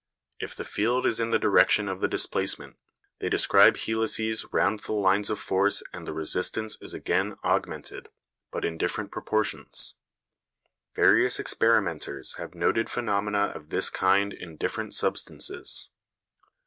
If the field is in the direction of the displacement, they describe helices round the lines of force and the resistance is again augmented, but in different proportions. Various experimenters have noted phenomena of this kind in different substances.